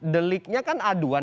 deliknya kan aduan